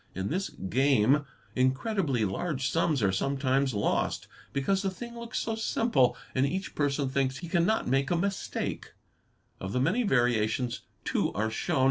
In | this "game" incredibly large sums are sometimes lost, because the thing ' looks so simple and each " person thinks he cannot ) A B make a mistake. Of the iat pica " many variations two are shown.